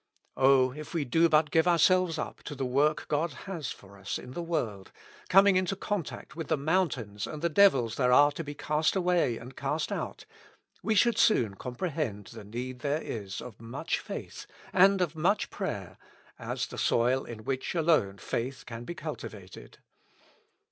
Oh ! if we do but give ourselves up to the work God has for us in the world, coming into con tact with the mountains and the devils there are to be cast away and cast out, we should soon comprehend the need there is of much faith, and of much prayer, as the soil in which alone faith can be cultivated.